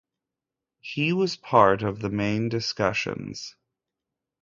He was part of the main discussions.